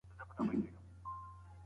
د هري ورځي لپاره جلا پلان ولرئ.